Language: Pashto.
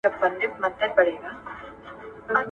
ماشومان د پلار د عملي لارښوونو په پایله کې زده کړه کوي.